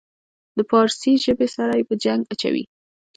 د پارسي ژبې سره یې په جنګ اچوي.